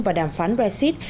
vào đàm phán brexit